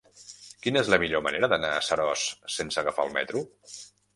Quina és la millor manera d'anar a Seròs sense agafar el metro?